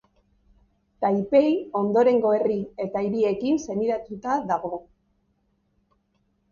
Taipei ondorengo herri eta hiriekin senidetuta dago.